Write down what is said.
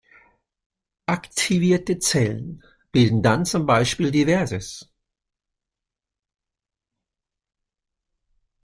Aktivierte Zellen bilden dann zum Beispiel div.